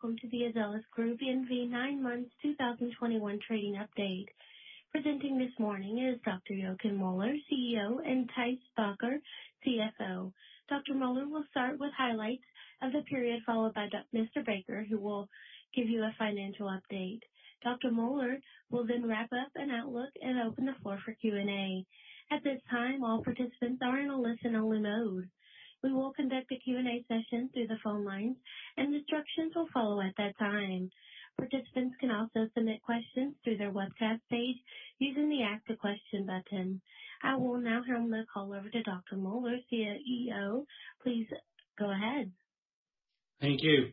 Good day, ladies and gentlemen, and welcome to the Azelis Group nine months 2021 trading update. Presenting this morning is Dr. Jochen Müller, CEO, and Thijs Bakker, CFO. Dr. Möller will start with highlights of the period followed by Mr. Bakker, who will give you a financial update. Dr. Müller will then wrap up an outlook and open the floor for Q&A. At this time, all participants are in a listen-only mode. We will conduct a Q&A session through the phone lines, and instructions will follow at that time. Participants can also submit questions through their webcast page using the Ask a Question button. I will now hand the call over to Dr. Müller, CEO. Please go ahead. Thank you.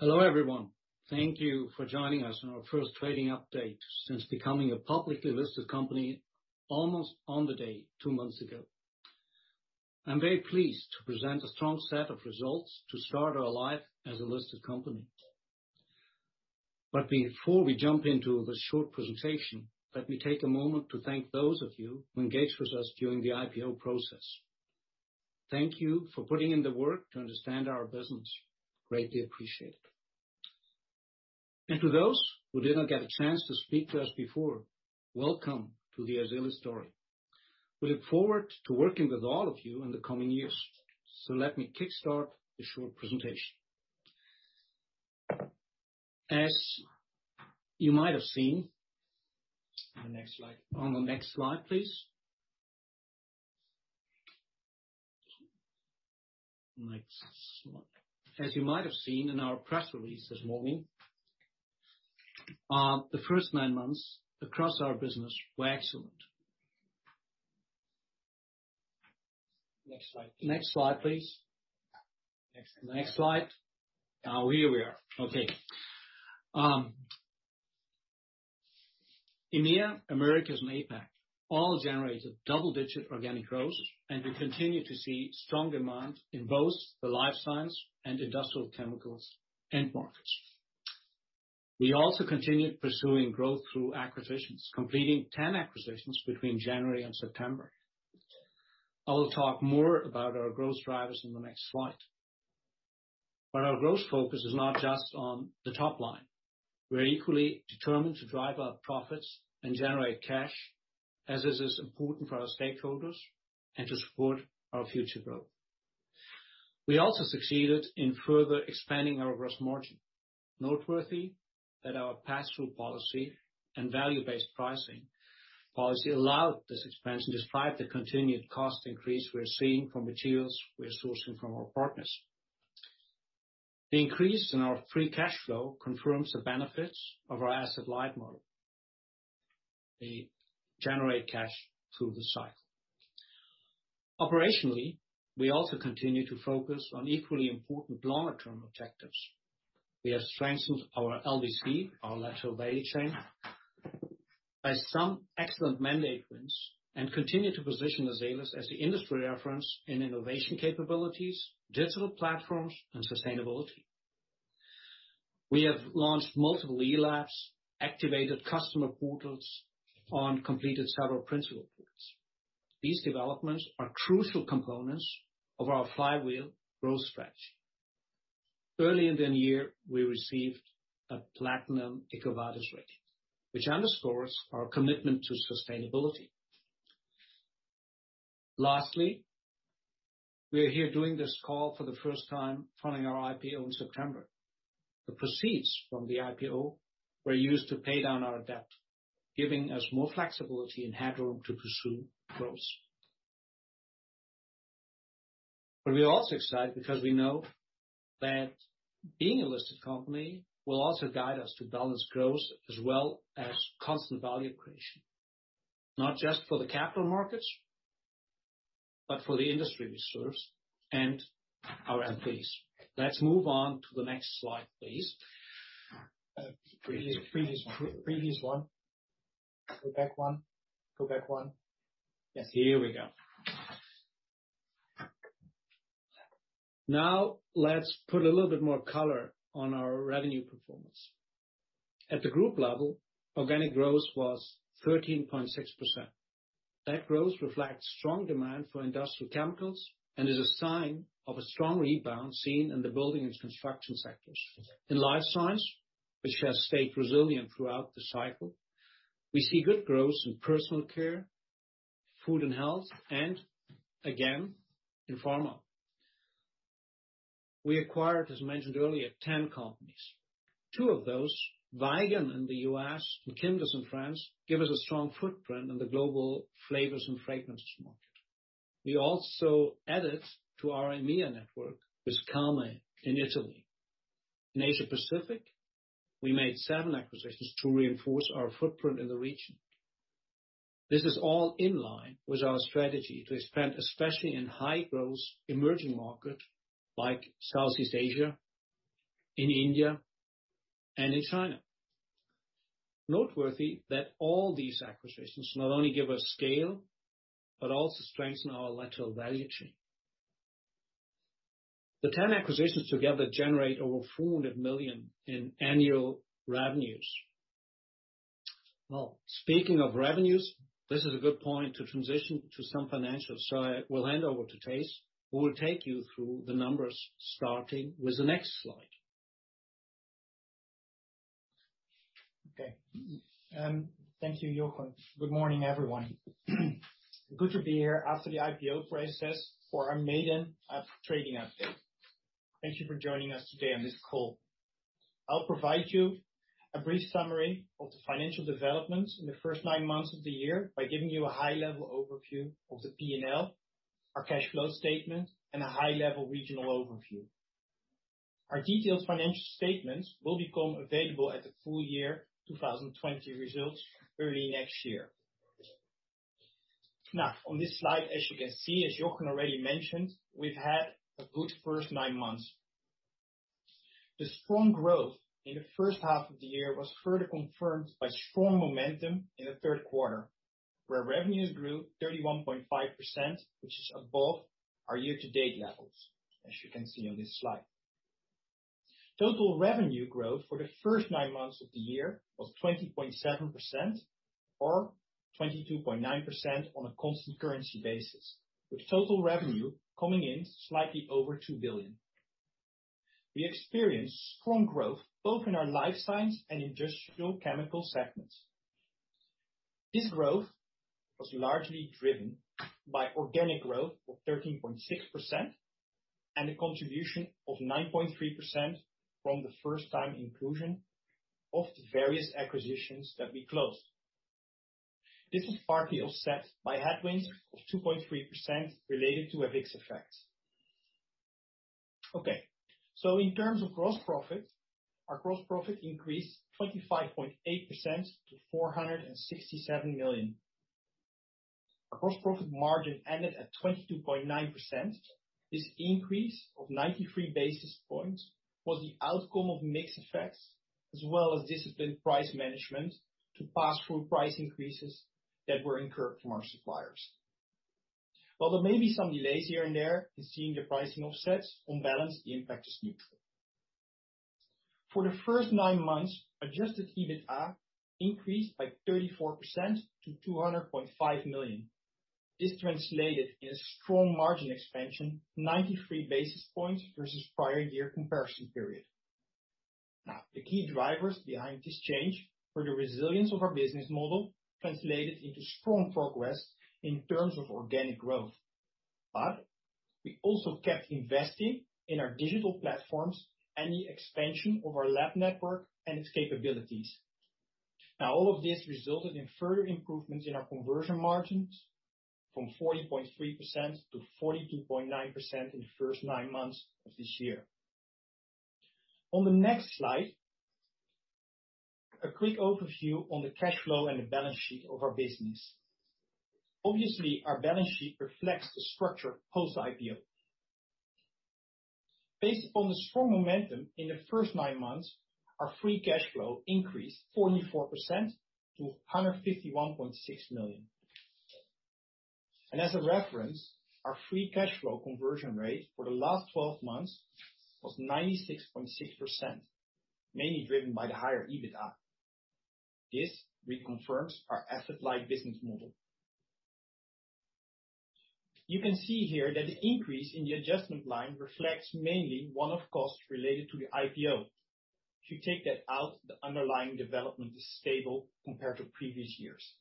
Hello, everyone. Thank you for joining us on our first trading update since becoming a publicly listed company almost on the day two months ago. I'm very pleased to present a strong set of results to start our life as a listed company. Before we jump into this short presentation, let me take a moment to thank those of you who engaged with us during the IPO process. Thank you for putting in the work to understand our business. Greatly appreciate it. To those who did not get a chance to speak to us before, welcome to the Azelis story. We look forward to working with all of you in the coming years. Let me kickstart this short presentation. As you might have seen. The next slide. On the next slide, please. Next slide. As you might have seen in our press release this morning, the first nine months across our business were excellent. Next slide. Next slide, please. Next slide. Next slide. Now, here we are. Okay. EMEA, Americas, and APAC all generated double-digit organic growth, and we continue to see strong demand in both the life science and industrial chemicals end markets. We also continued pursuing growth through acquisitions, completing 10 acquisitions between January and September. I will talk more about our growth drivers in the next slide. Our growth focus is not just on the top line. We're equally determined to drive up profits and generate cash, as this is important for our stakeholders and to support our future growth. We also succeeded in further expanding our gross margin. Noteworthy that our passthrough policy and value-based pricing policy allowed this expansion despite the continued cost increase we're seeing from materials we're sourcing from our partners. The increase in our free cash flow confirms the benefits of our asset light model. We generate cash through the cycle. Operationally, we also continue to focus on equally important longer-term objectives. We have strengthened our LVC, our lateral value chain, by some excellent mandate wins, and continue to position Azelis as the industry reference in innovation capabilities, digital platforms, and sustainability. We have launched multiple e-Lab, activated customer portals, and completed several principal portals. These developments are crucial components of our flywheel growth strategy. Early in the year, we received a Platinum EcoVadis rating, which underscores our commitment to sustainability. Lastly, we are here doing this call for the first time following our IPO in September. The proceeds from the IPO were used to pay down our debt, giving us more flexibility and headroom to pursue growth. We are also excited because we know that being a listed company will also guide us to balance growth as well as constant value creation, not just for the capital markets, but for the industry we serve and our employees. Let's move on to the next slide, please. Previous one. Go back one. Yes, here we go. Now, let's put a little bit more color on our revenue performance. At the group level, organic growth was 13.6%. That growth reflects strong demand for industrial chemicals and is a sign of a strong rebound seen in the building and construction sectors. In life science, which has stayed resilient throughout the cycle, we see good growth in personal care, food and health and again in pharma. We acquired, as mentioned earlier, 10 companies. Two of those, Vigon in the U.S. and Quimdis in France, give us a strong footprint in the global flavors and fragrances market. We also added to our EMEA network with CAME in Italy. In Asia Pacific, we made 7 acquisitions to reinforce our footprint in the region. This is all in line with our strategy to expand, especially in high-growth emerging markets like Southeast Asia, in India, and in China. Noteworthy that all these acquisitions not only give us scale but also strengthen our lateral value chain. The 10 acquisitions together generate over 400 million in annual revenues. Well, speaking of revenues, this is a good point to transition to some financials. I will hand over to Thijs, who will take you through the numbers starting with the next slide. Okay. Thank you, Jochen. Good morning, everyone. Good to be here after the IPO process for our maiden trading update. Thank you for joining us today on this call. I'll provide you a brief summary of the financial developments in the first nine months of the year by giving you a high level overview of the P&L, our cash flow statement, and a high level regional overview. Our detailed financial statements will become available at the full year 2020 results early next year. Now, on this slide, as you can see, as Jochen already mentioned, we've had a good first nine months. The strong growth in the first half of the year was further confirmed by strong momentum in the third quarter, where revenues grew 31.5%, which is above our year-to-date levels, as you can see on this slide. Total revenue growth for the first nine months of the year was 20.7% or 22.9% on a constant currency basis, with total revenue coming in slightly over 2 billion. We experienced strong growth both in our Life Science and Industrial Chemical segments. This growth was largely driven by organic growth of 13.6% and a contribution of 9.3% from the first time inclusion of the various acquisitions that we closed. This is partly offset by headwinds of 2.3% related to FX effects. Okay, so in terms of gross profit, our gross profit increased 25.8% to 467 million. Our gross profit margin ended at 22.9%. This increase of 93 basis points was the outcome of mix effects, as well as disciplined price management to pass through price increases that were incurred from our suppliers. While there may be some delays here and there in seeing the pricing offsets, on balance, the impact is neutral. For the first nine months, adjusted EBITA increased by 34% to 200.5 million. This translated in a strong margin expansion, 93 basis points versus prior year comparison period. Now, the key drivers behind this change were the resilience of our business model translated into strong progress in terms of organic growth. We also kept investing in our digital platforms and the expansion of our lab network and its capabilities. Now, all of this resulted in further improvements in our conversion margins from 40.3% to 42.9% in the first nine months of this year. On the next slide, a quick overview on the cash flow and the balance sheet of our business. Obviously, our balance sheet reflects the structure post IPO. Based upon the strong momentum in the first nine months, our free cash flow increased 44% to 151.6 million. As a reference, our free cash flow conversion rate for the last twelve months was 96.6%, mainly driven by the higher EBITA. This reconfirms our asset light business model. You can see here that the increase in the adjustment line reflects mainly one-off costs related to the IPO. If you take that out, the underlying development is stable compared to previous years.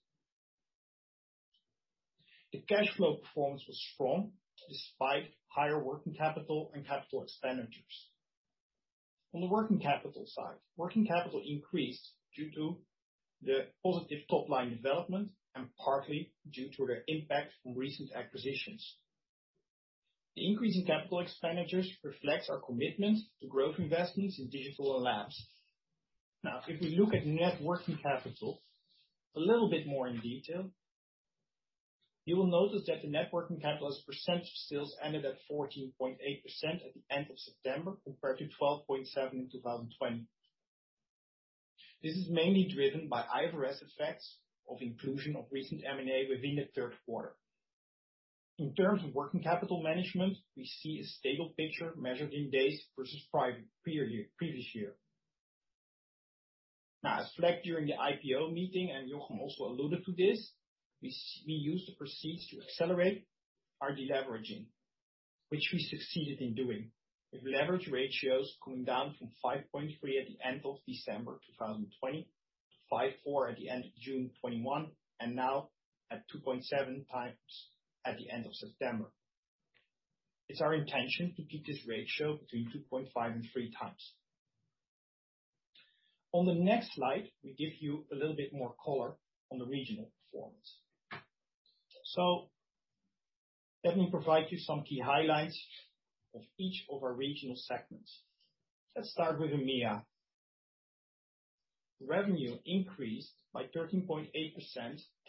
The cash flow performance was strong despite higher working capital and capital expenditures. On the working capital side, working capital increased due to the positive top-line development and partly due to the impact from recent acquisitions. The increase in capital expenditures reflects our commitment to growth investments in digital and labs. Now, if we look at net working capital a little bit more in detail, you will notice that the net working capital as a percent of sales ended at 14.8% at the end of September, compared to 12.7% in 2020. This is mainly driven by IFRS effects of inclusion of recent M&A within the third quarter. In terms of working capital management, we see a stable picture measured in days versus previous year. Now, as flagged during the IPO meeting, and Jochen also alluded to this, we used the proceeds to accelerate our deleveraging, which we succeeded in doing, with leverage ratios coming down from 5.3 at the end of December 2020 to 5.4 at the end of June 2021, and now at 2.7 times at the end of September. It's our intention to keep this ratio between 2.5 and 3 times. On the next slide, we give you a little bit more color on the regional performance. Let me provide you some key highlights of each of our regional segments. Let's start with EMEA. Revenue increased by 13.8%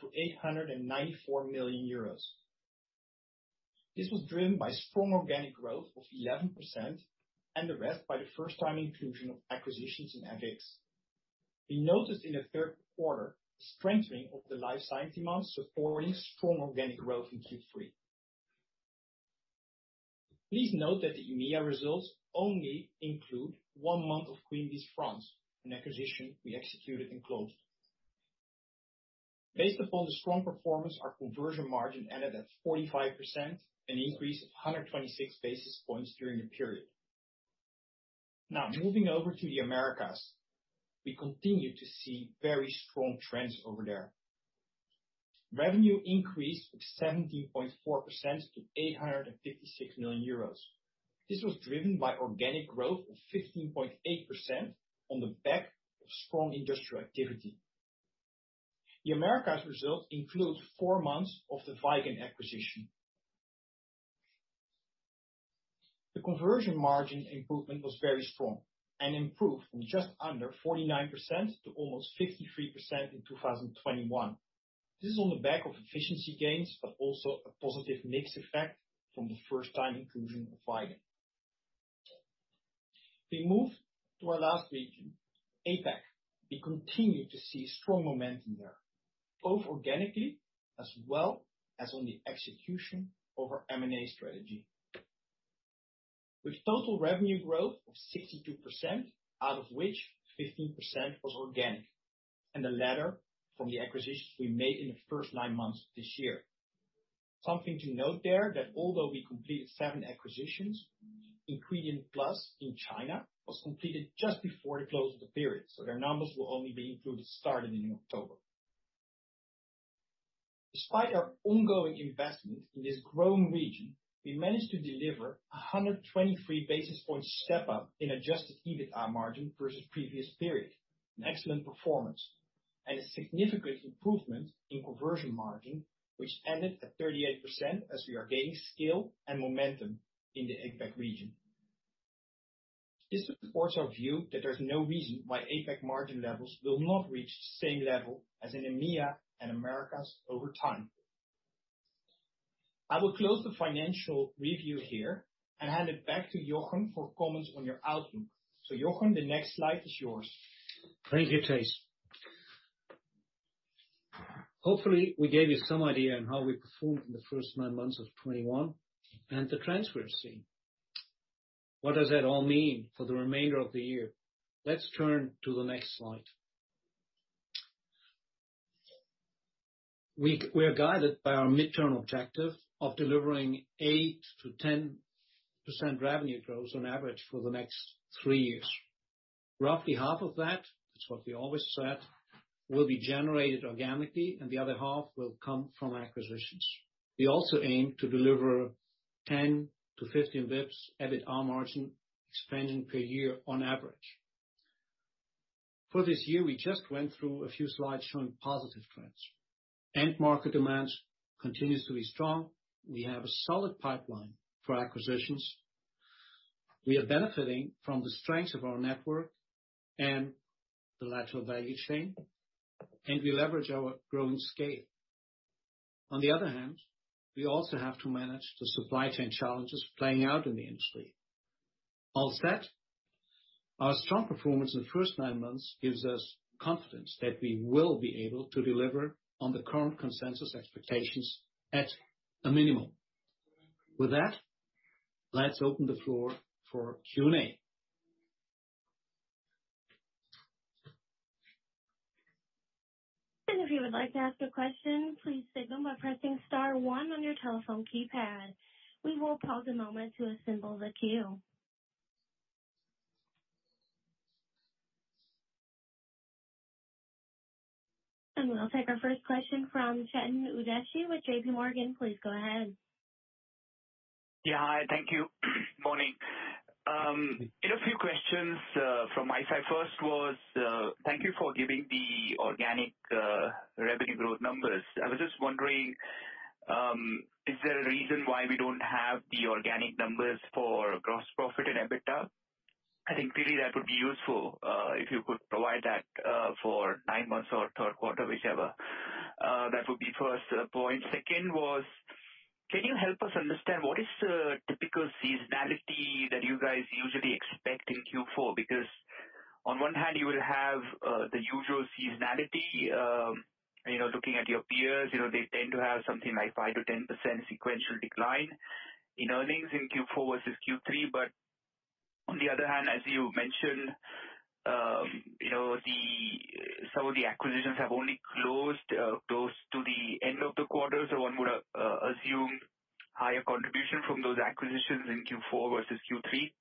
to 894 million euros. This was driven by strong organic growth of 11% and the rest by the first time inclusion of acquisitions in FX. We noticed in the third quarter a strengthening of the life science demands supporting strong organic growth in Q3. Please note that the EMEA results only include 1 month of Quimdis France, an acquisition we executed and closed. Based upon the strong performance, our conversion margin ended at 45%, an increase of 126 basis points during the period. Now, moving over to the Americas, we continue to see very strong trends over there. Revenue increased 17.4% to 856 million euros. This was driven by organic growth of 15.8% on the back of strong industrial activity. The Americas results include four months of the Vigon acquisition. The conversion margin improvement was very strong and improved from just under 49% to almost 53% in 2021. This is on the back of efficiency gains, but also a positive mix effect from the first time inclusion of Vigon. We move to our last region, APAC. We continue to see strong momentum there, both organically as well as on the execution of our M&A strategy. With total revenue growth of 62%, out of which 15% was organic, and the latter from the acquisitions we made in the first nine months of this year. Something to note there that although we completed seven acquisitions, Ingredients Plus in China was completed just before the close of the period, so their numbers will only be included starting in October. Despite our ongoing investment in this growing region, we managed to deliver 123 basis point step up in adjusted EBITA margin versus previous period. An excellent performance and a significant improvement in conversion margin, which ended at 38% as we are gaining scale and momentum in the APAC region. This supports our view that there's no reason why APAC margin levels will not reach the same level as in EMEA and Americas over time. I will close the financial review here and hand it back to Jochen for comments on your outlook. Jochen, the next slide is yours. Thank you, Thijs. Hopefully, we gave you some idea on how we performed in the first nine months of 2021 and the trends we are seeing. What does that all mean for the remainder of the year? Let's turn to the next slide. We are guided by our midterm objective of delivering 8%-10% revenue growth on average for the next three years. Roughly half of that, it's what we always said, will be generated organically and the other half will come from acquisitions. We also aim to deliver 10-15 basis points EBITA margin expansion per year on average. For this year, we just went through a few slides showing positive trends. End market demands continues to be strong. We have a solid pipeline for acquisitions. We are benefiting from the strength of our network and the lateral value chain, and we leverage our growing scale. On the other hand, we also have to manage the supply chain challenges playing out in the industry. That said, our strong performance in the first nine months gives us confidence that we will be able to deliver on the current consensus expectations at a minimum. With that, let's open the floor for Q&A. If you would like to ask a question, please signal by pressing star one on your telephone keypad. We will pause a moment to assemble the queue. We'll take our first question from Chetan Udeshi with JP Morgan. Please go ahead. Yeah. Hi, thank you. Morning. I have a few questions from my side. First was, thank you for giving the organic revenue growth numbers. I was just wondering, is there a reason why we don't have the organic numbers for gross profit and EBITA? I think clearly that would be useful, if you could provide that, for nine months or third quarter, whichever. That would be first point. Second was, can you help us understand what is the typical seasonality that you guys usually expect in Q4? Because on one hand you will have the usual seasonality, you know, looking at your peers, you know, they tend to have something like 5%-10% sequential decline in earnings in Q4 versus Q3. On the other hand, as you mentioned, you know, some of the acquisitions have only closed close to the end of the quarter. One would assume higher contribution from those acquisitions in Q4 versus Q3.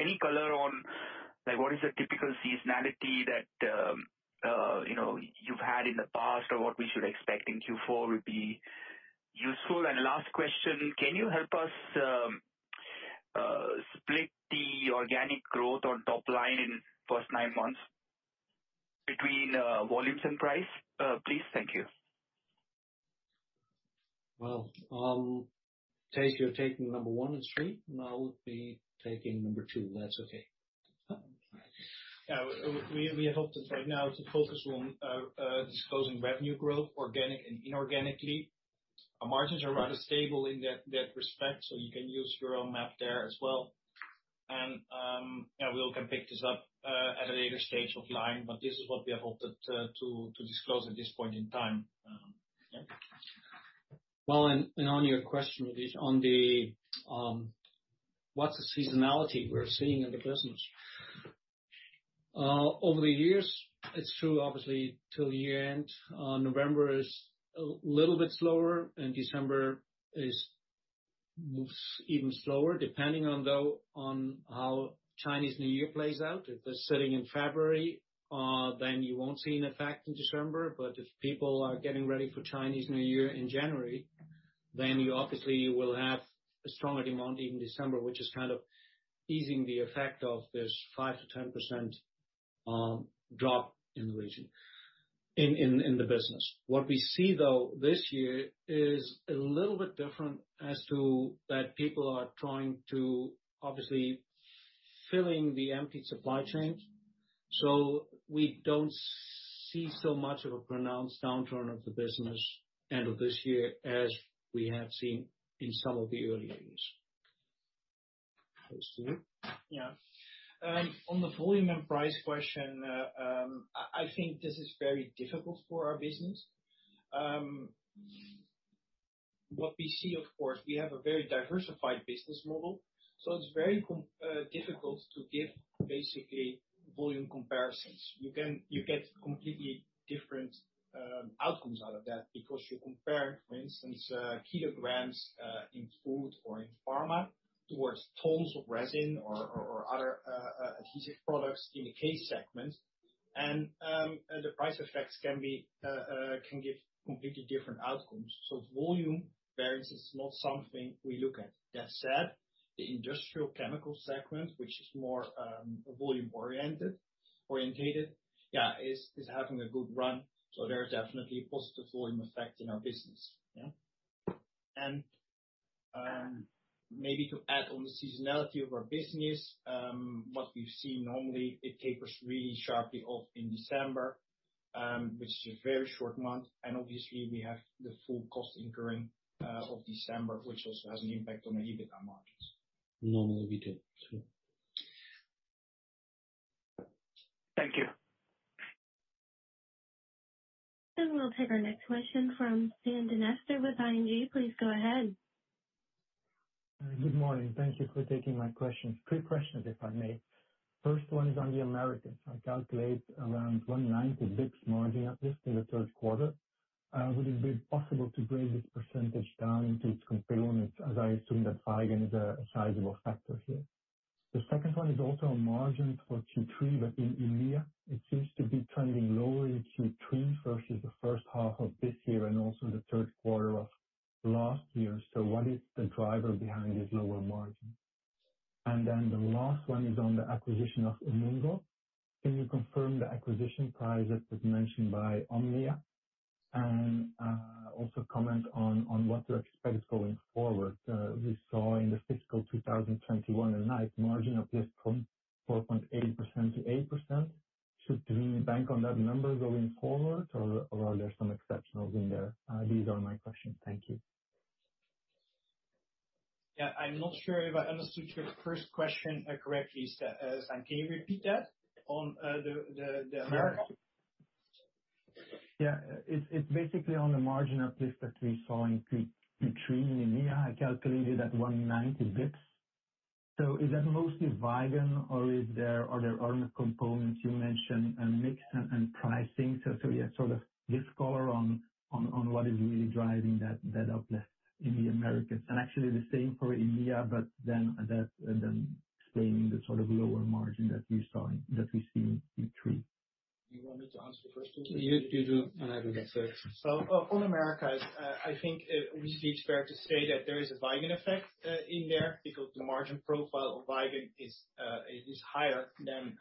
Any color on, like, what is the typical seasonality that you know, you've had in the past or what we should expect in Q4 would be useful. Last question, can you help us split the organic growth on top line in first nine months between volumes and price, please? Thank you. Well, Thijs, you're taking number 1 and 3, and I'll be taking number 2, if that's okay. Yeah. We hope that right now to focus on disclosing revenue growth organic and inorganic. Our margins are rather stable in that respect, so you can use your own math there as well. Yeah, we all can pick this up at a later stage offline, but this is what we have opted to disclose at this point in time. Yeah. On your question, Udi, on what's the seasonality we're seeing in the business? Over the years, it's true, obviously till the year-end, November is a little bit slower, and December is even slower, depending, though, on how Chinese New Year plays out. If they're sitting in February, then you won't see an effect in December. If people are getting ready for Chinese New Year in January, then you obviously will have a stronger demand in December, which is kind of easing the effect of this 5%-10% drop in the region, in the business. What we see, though, this year is a little bit different as to that people are trying to obviously filling the empty supply chains. We don't see so much of a pronounced downturn of the business end of this year as we have seen in some of the early years. Go, Thijs Bakker. On the volume and price question, I think this is very difficult for our business. What we see, of course, we have a very diversified business model, so it's very difficult to give basically volume comparisons. You get completely different outcomes out of that because you compare, for instance, kilograms in food or in pharma towards tons of resin or other adhesive products in the CASE segment. The price effects can give completely different outcomes. Volume variance is not something we look at. That said, the industrial chemical segment, which is more volume-oriented, is having a good run, so there are definitely positive volume effect in our business. Yeah? Maybe to add on the seasonality of our business, what we've seen normally, it tapers really sharply off in December, which is a very short month, and obviously we have the full cost incurring of December, which also has an impact on the EBITDA margins. Normally we do. Sure. Thank you. We'll take our next question from Sam De Nester with ING. Please go ahead. Good morning. Thank you for taking my questions. Three questions, if I may. First one is on the Americas. I calculate around 190 basis points margin uplift in the third quarter. Would it be possible to break this percentage down into its components, as I assume that Vigon is a sizable factor here? The second one is also on margins for Q3, but in EMEA, it seems to be trending lower in Q3 versus the first half of this year and also the third quarter of last year. What is the driver behind this lower margin? The last one is on the acquisition of Umongo. Can you confirm the acquisition price, as was mentioned by Omnia? Also comment on what to expect going forward. We saw in the fiscal 2021 a nice margin uplift from 4.8% to 8%. Should we bank on that number going forward or are there some exceptionals in there? These are my questions. Thank you. Yeah, I'm not sure if I understood your first question correctly, Sam, can you repeat that on the Americas? Yeah. It's basically on the margin uplift that we saw in Q3 in EMEA. I calculated 190 basis points. Is that mostly Vigon or are there other components? You mentioned mix and pricing. Yeah, sort of deep dive on what is really driving that uplift in the Americas. Actually the same for EMEA, but then that explaining the sort of lower margin that we see in Q3. You wanted to answer the first one? You do and I do the third. On Americas, I think we can safely say that there is a Vigon effect in there because the margin profile of Vigon is higher than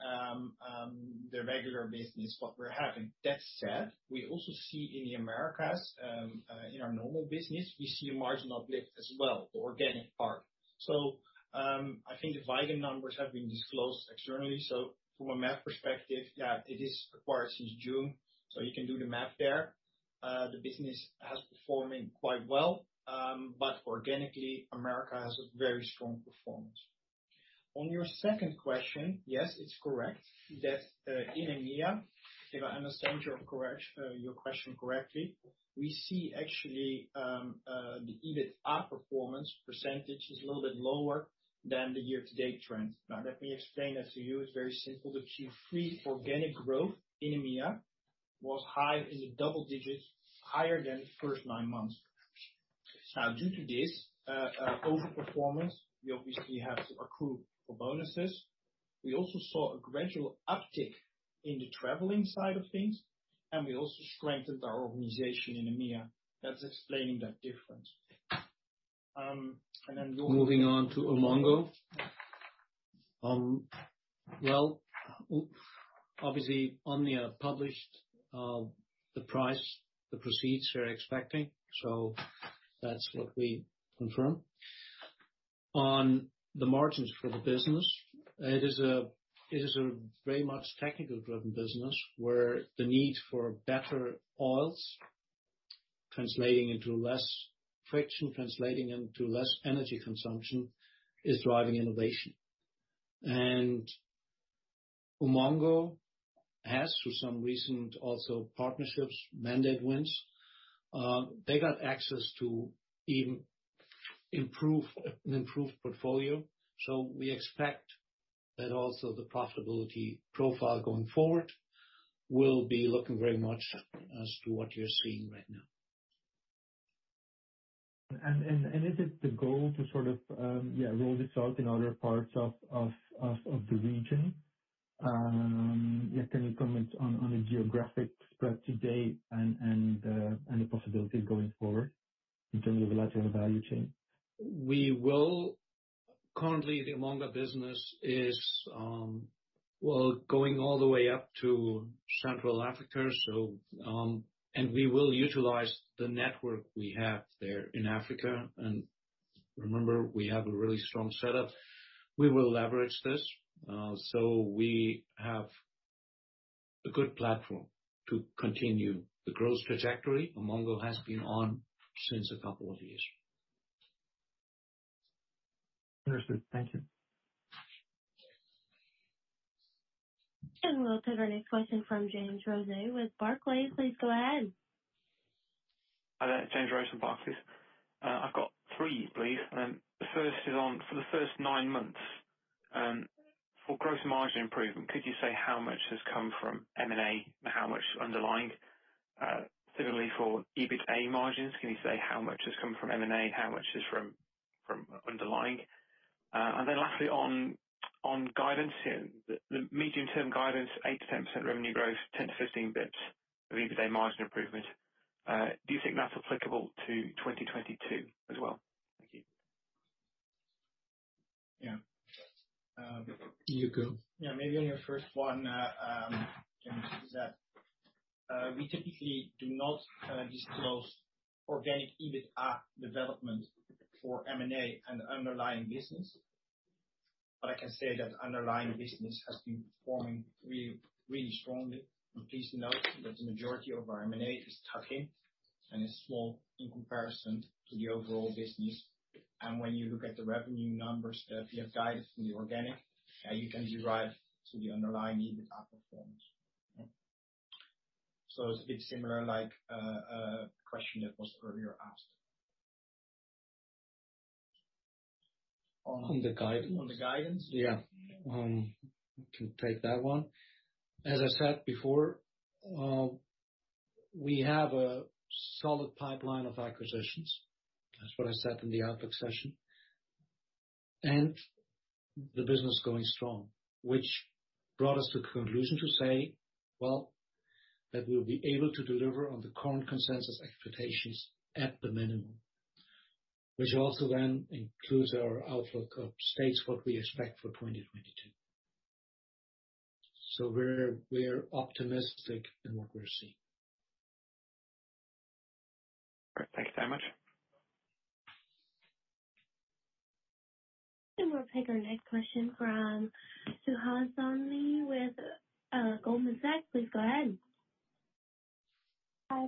the regular business what we're having. That said, we also see in the Americas, in our normal business, we see a margin uplift as well, the organic part. I think the Vigon numbers have been disclosed externally, so from a math perspective, yeah, it is acquired since June, so you can do the math there. The business is performing quite well, but organically, Americas has a very strong performance. On your second question, yes, it's correct that in EMEA, if I understand your question correctly, we see actually the EBITDA performance percentage is a little bit lower than the year-to-date trend. Now, let me explain that to you. It's very simple. The Q3 organic growth in EMEA was high in the double digits, higher than the first nine months. Now, due to this overperformance, we obviously have to accrue for bonuses. We also saw a gradual uptick in the traveling side of things, and we also strengthened our organization in EMEA. That's explaining that difference. And then going- Moving on to Umongo. Obviously, Omnia published the price, the proceeds they're expecting, so that's what we confirm. On the margins for the business, it is a very much technical-driven business where the need for better oils, translating into less friction, translating into less energy consumption is driving innovation. Umongo has formed some recent also partnerships, mandate wins. They got access to an improved portfolio. We expect that also the profitability profile going forward will be looking very much as to what you're seeing right now. Is it the goal to sort of roll this out in other parts of the region? You have any comments on the geographic spread today and the possibilities going forward in terms of the larger value chain? Currently, the Umongo business is going all the way up to Central Africa, so, and we will utilize the network we have there in Africa. Remember, we have a really strong setup. We will leverage this, so we have a good platform to continue the growth trajectory Umongo has been on since a couple of years. Understood. Thank you. We'll take our next question from James Rose with Barclays. Please go ahead. Hi there, James Rose with Barclays. I've got three, please. The first is for the first nine months, for gross margin improvement, could you say how much has come from M&A and how much underlying? Similarly for EBITA margins, can you say how much has come from M&A, how much is from underlying? And then lastly on guidance here, the medium-term guidance, 8%-10% revenue growth, 10-15 basis points of EBITA margin improvement. Do you think that's applicable to 2022 as well? Thank you. Yeah. You go. Maybe on your first one, James, is that we typically do not disclose organic EBITA development for M&A and underlying business. I can say that underlying business has been performing really, really strongly. Please note that the majority of our M&A is tuck-in and is small in comparison to the overall business. When you look at the revenue numbers that we have guided in the organic, you can derive the underlying EBITA performance. It's a bit similar like a question that was earlier asked. On the guidance. On the guidance. Yeah. I can take that one. As I said before, we have a solid pipeline of acquisitions. That's what I said in the outlook session. The business is going strong, which brought us to the conclusion to say, well, that we'll be able to deliver on the current consensus expectations at the minimum. Which also then includes our outlook statements, what we expect for 2022. We're optimistic in what we're seeing. All right. Thank you so much. We'll take our next question from Suhasini Varanasi with Goldman Sachs. Please go ahead.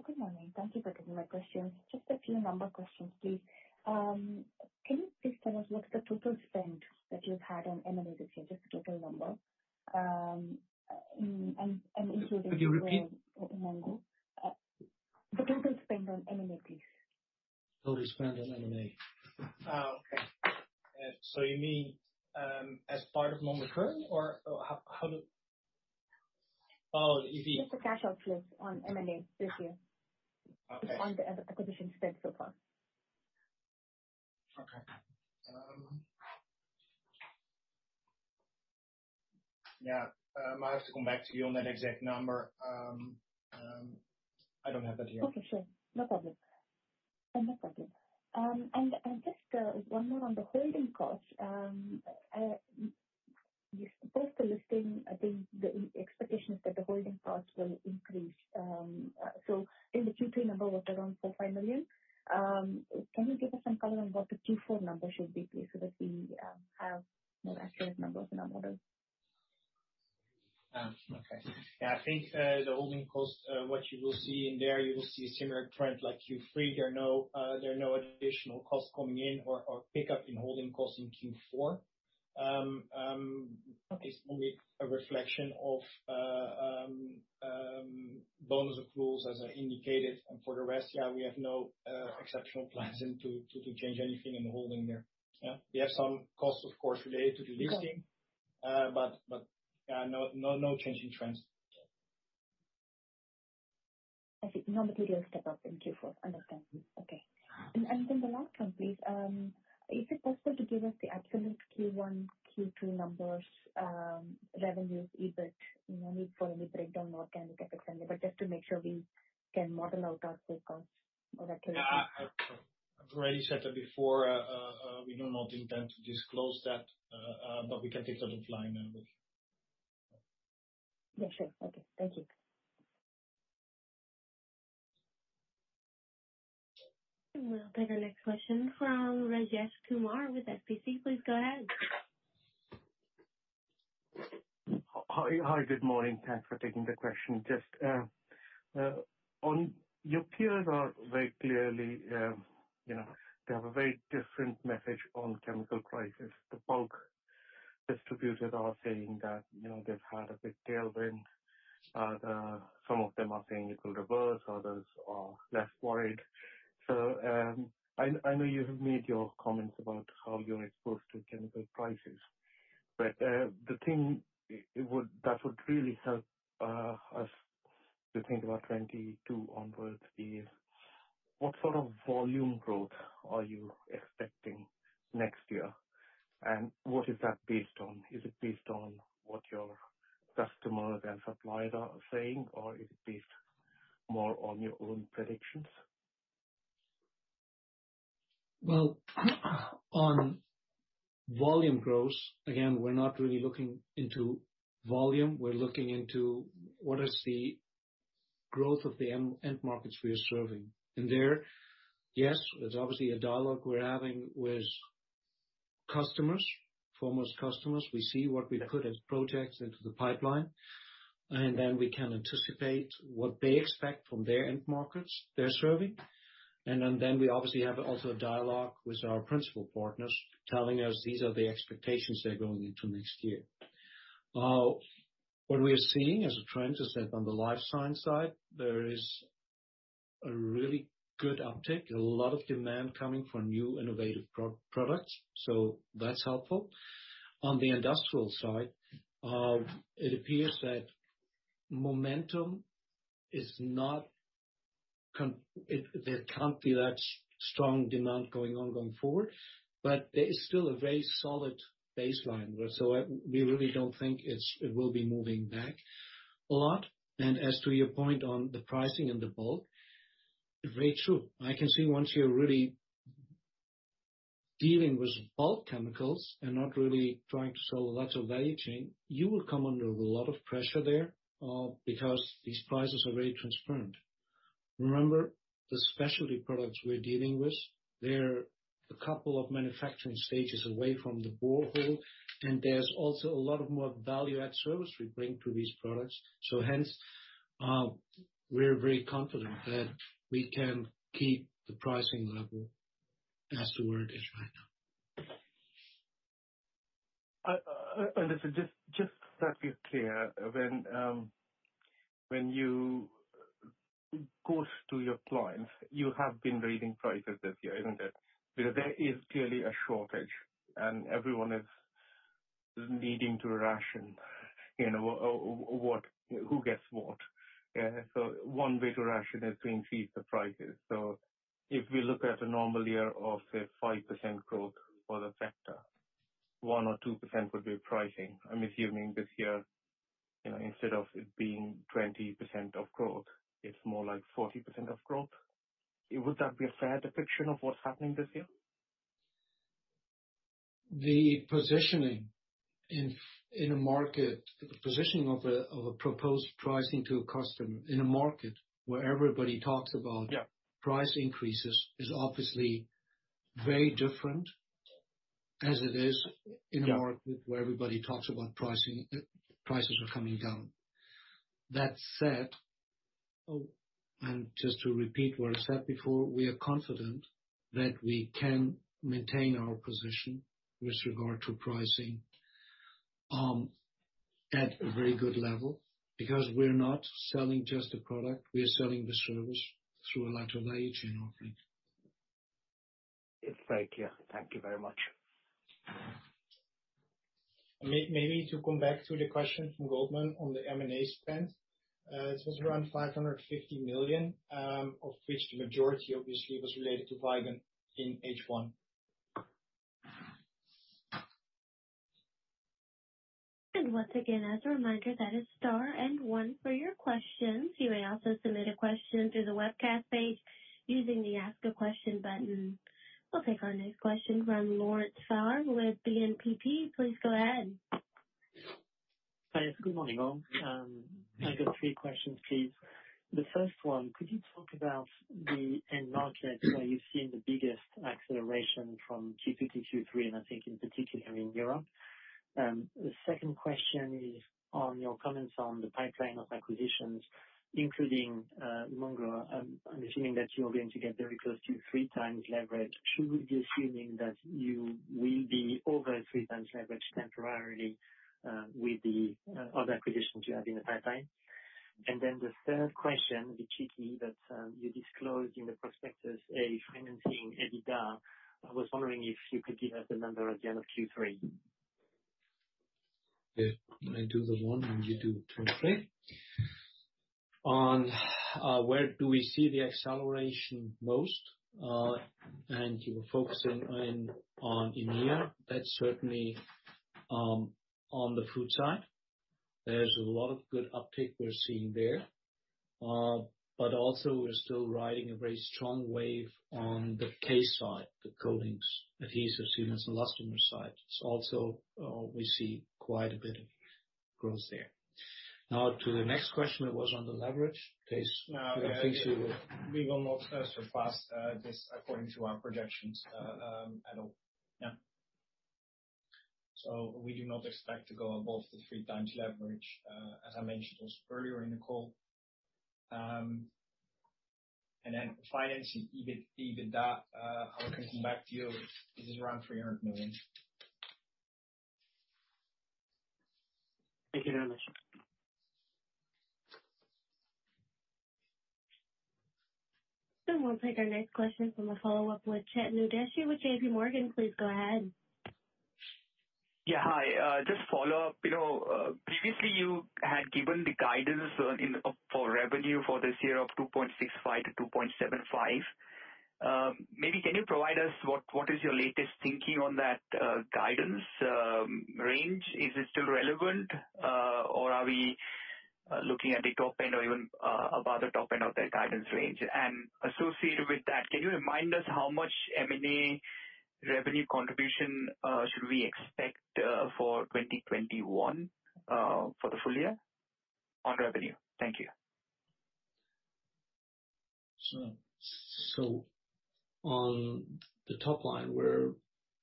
Good morning. Thank you for taking my questions. Just a few number questions, please. Can you please tell us what's the total spend that you've had on M&A this year? Just the total number. And including- Could you repeat? Umongo. The total spend on M&A, please. Total spend on M&A. Okay. So you mean as part of Umongo current or how do. If you Just the cash outflows on M&A this year. Okay. Just on the acquisition spend so far. Okay. Yeah. I have to come back to you on that exact number. I don't have that here. Okay, sure. No problem. And just one more on the holding costs. Post the listing, I think the expectation is that the holding costs will increase. So the Q3 number was around 400 million. Can you give us some color on what the Q4 number should be, please, so that we have more accurate numbers in our model? Okay. Yeah, I think the holding costs, what you will see in there, you will see a similar trend like Q3. There are no additional costs coming in or pickup in holding costs in Q4. It's only a reflection of bonus accruals as I indicated. For the rest, yeah, we have no exceptional plans to change anything in the holding there. Yeah. We have some costs of course related to delisting, but no change in trends. I see. No material step up in Q4. Understand. Okay. Uh. the last one, please. Is it possible to give us the absolute Q1, Q2 numbers, revenues, EBIT? No need for any breakdown, organic, etcetera, but just to make sure we can model out our free cash or that. Yeah. I've already said that before. We do not intend to disclose that, but we can take that offline and we'll. Yeah, sure. Okay. Thank you. We'll take our next question from Rajesh Kumar with HSBC. Please go ahead. Hi, hi. Good morning. Thanks for taking the question. Just on your peers are very clearly, you know, they have a very different message on chemical prices. The bulk distributors are saying that, you know, they've had a big tailwind. Some of them are saying it will reverse, others are less worried. I know you have made your comments about how you're exposed to chemical prices, but the thing that would really help us to think about 2022 onwards is what sort of volume growth are you expecting next year, and what is that based on? Is it based on what your customers and suppliers are saying, or is it based more on your own predictions? Well, on volume growth, again, we're not really looking into volume. We're looking into what is the growth of the end markets we are serving. There, yes, there's obviously a dialogue we're having with customers, foremost customers. We see what we put as projects into the pipeline, and then we can anticipate what they expect from their end markets they're serving. Then we obviously have also a dialogue with our principal partners telling us these are the expectations they're going into next year. What we are seeing as a trend is that on the life science side, there is a really good uptick, a lot of demand coming from new innovative products, so that's helpful. On the industrial side, it appears that momentum is not con... There can't be that strong demand going forward, but there is still a very solid baseline. We really don't think it will be moving back a lot. As to your point on the pricing and the bulk, very true. I can see once you're really dealing with bulk chemicals and not really trying to sell lots of value chain, you will come under a lot of pressure there, because these prices are very transparent. Remember, the specialty products we're dealing with, they're a couple of manufacturing stages away from the borehole, and there's also a lot of more value add service we bring to these products. Hence, we're very confident that we can keep the pricing level as to where it is right now. Listen, just so that we're clear, when you go to your clients, you have been raising prices this year, isn't it? Because there is clearly a shortage and everyone is needing to ration, you know, what, who gets what. Yeah. One way to ration is to increase the prices. If we look at a normal year of say 5% growth for the sector, 1% or 2% would be pricing. I'm assuming this year, you know, instead of it being 20% of growth, it's more like 40% of growth. Would that be a fair depiction of what's happening this year? The positioning of a proposed pricing to a customer in a market where everybody talks about Yeah. Price increases is obviously very different as it is. Yeah. In a market where everybody talks about pricing, prices are coming down. That said, just to repeat what I said before, we are confident that we can maintain our position with regard to pricing at a very good level because we're not selling just a product, we are selling the service through a lot of value chain offering. Yes, thank you. Thank you very much. Maybe to come back to the question from Goldman on the M&A spend, it was around 550 million, of which the majority obviously was related to Vigon in H1. Once again, as a reminder, that is star and one for your questions. You may also submit a question through the webcast page using the Ask a Question button. We'll take our next question from Laurent Favre with BNP Paribas. Please go ahead. Yes, good morning all. I've got three questions, please. The first one, could you talk about the end market where you're seeing the biggest acceleration from Q2, Q3, and I think in particular in Europe? The second question is on your comments on the pipeline of acquisitions, including Umongo. I'm assuming that you're going to get very close to 3x leverage. Should we be assuming that you will be over 3x leverage temporarily with the other acquisitions you have in the pipeline? The third question, the KPI that you disclosed in the prospectus, a financing EBITDA. I was wondering if you could give us a number at the end of Q3. If I do the one and you do two and three. On where do we see the acceleration most, and you're focusing in on in here, that's certainly on the food side. There's a lot of good uptick we're seeing there, but also we're still riding a very strong wave on the K side, the coatings, adhesives, even elastomer side. We also see quite a bit of growth there. Now to the next question that was on the leverage case, I think we will- We will not surpass this according to our projections at all. Yeah. We do not expect to go above the 3x leverage, as I mentioned also earlier in the call. Financing, EBIT, EBITDA, I can come back to you. It is around 300 million. Thank you very much. We'll take our next question from a follow-up with Chetan Udeshi with JP Morgan. Please go ahead. Yeah, hi. Just follow up. You know, previously you had given the guidance for revenue for this year of 2.65-2.75. Maybe can you provide us what is your latest thinking on that guidance range? Is it still relevant, or are we looking at the top end or even above the top end of that guidance range? Associated with that, can you remind us how much M&A revenue contribution should we expect for 2021 for the full year on revenue? Thank you. On the top line, we're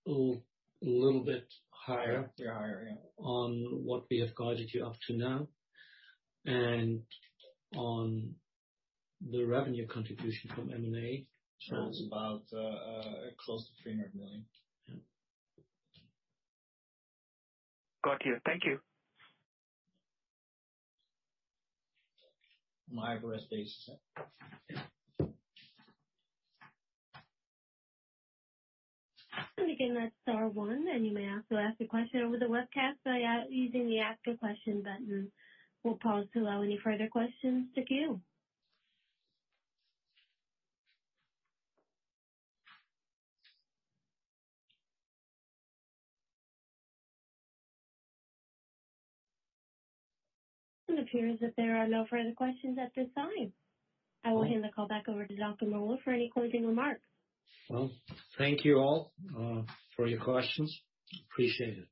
a little bit higher. We are, yeah. On what we have guided you up to now. On the revenue contribution from M&A. It's about close to 300 million. Yeah. Got you. Thank you. My birthday is set. Again, that's star one, and you may also ask a question over the webcast by using the Ask a Question button. We'll pause to allow any further questions to queue. It appears that there are no further questions at this time. I will hand the call back over to Dr. Möhl for any closing remarks. Well, thank you all, for your questions. Appreciate it.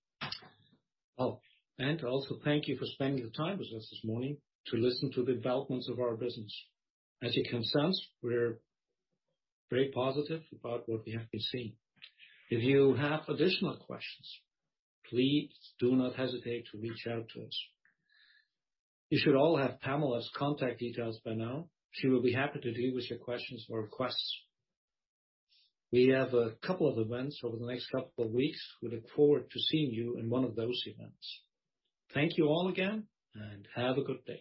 Oh, and also thank you for spending the time with us this morning to listen to the developments of our business. As you can sense, we're very positive about what we have been seeing. If you have additional questions, please do not hesitate to reach out to us. You should all have Pamela's contact details by now. She will be happy to deal with your questions or requests. We have a couple of events over the next couple of weeks. We look forward to seeing you in one of those events. Thank you all again, and have a good day.